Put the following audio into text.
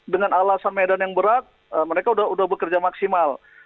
dengan alasan medan yang berat mereka sudah bekerja maksimal